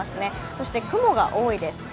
そして雲が多いです。